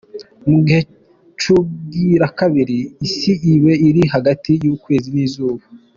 Mu gihe c'ubwirakabiri, isi iba iri hagati y'ukwezi n'izuba.